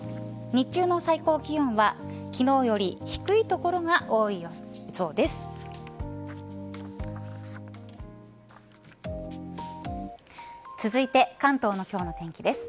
日中の最高気温は昨日より低い所が多い予想です。